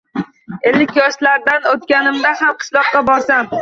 Ellik yoshlardan o’tganimda ham qishloqqa borsam